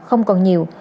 không còn nhiều